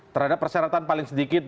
terhadap perseratan paling sedikit